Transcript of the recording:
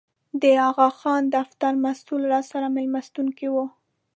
د اغاخان دفتر مسوول راسره مېلمستون کې و.